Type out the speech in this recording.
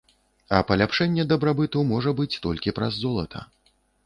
А паляпшэнне дабрабыту можа быць толькі праз золата.